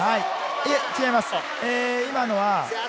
いえ、違います。